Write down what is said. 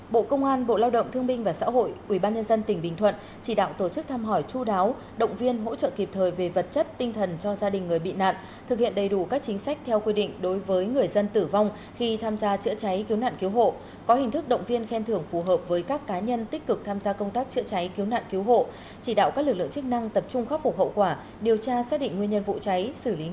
bộ công an bộ lao động thương minh và xã hội ủy ban nhân dân tỉnh bình thuận chỉ đạo tổ chức tham hỏi chú đáo động viên hỗ trợ kịp thời về vật chất tinh thần cho gia đình người bị nạn thực hiện đầy đủ các chính sách theo quy định đối với người dân tử vong khi tham gia chữa cháy cứu nạn cứu hộ có hình thức động viên khen thưởng phù hợp với các cá nhân tích cực tham gia công tác chữa cháy cứu nạn cứu hộ chỉ đạo các lực lượng chức năng tập trung khắp vụ hậu quả điều tra xác định nguyên nhân vụ cháy xử l